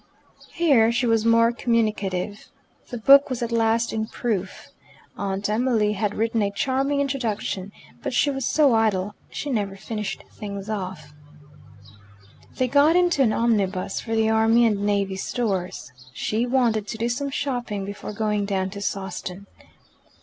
Here she was more communicative. The book was at last in proof. Aunt Emily had written a charming introduction; but she was so idle, she never finished things off. They got into an omnibus for the Army and Navy Stores: she wanted to do some shopping before going down to Sawston.